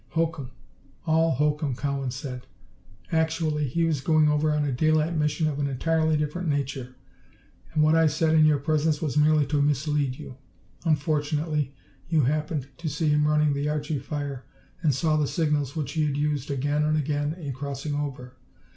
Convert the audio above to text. "Hokum! All hokum!" Cowan said. "Actually, he was going over on a daylight mission of an entirely different nature, and what I said in your presence was merely to mislead you. Unfortunately, you happened to see him running the Archie fire and saw the signals which he had used again and again in crossing over.